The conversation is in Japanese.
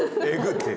って。